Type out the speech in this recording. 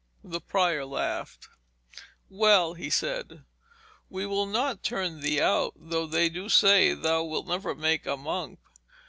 The prior laughed. 'Well,' he said, 'we will not turn thee out, though they do say thou wilt never make a monk.